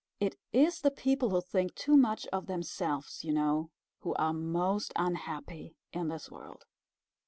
It is the people who think too much of themselves you know, who are most unhappy in this world.